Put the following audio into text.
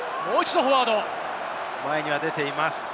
前には出ています。